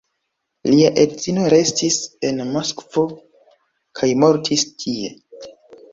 Lia edzino restis en Moskvo kaj mortis tie.